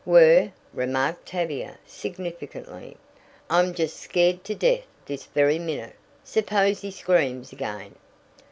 "Were!" remarked Tavia significantly. "I'm just scared to death this very minute. Suppose he screams again?"